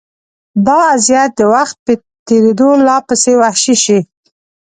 دا اذیت د وخت په تېرېدو لا پسې وحشي شي.